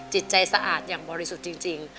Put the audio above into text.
จิตใจสะอาดอย่างบริสุทธิ์จริง